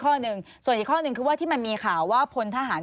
ข้อหนึ่งส่วนอีกข้อหนึ่งคือว่าที่มันมีข่าวว่าพลทหาร